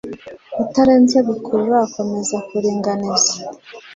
utarinze gukurura komeza kuringaniza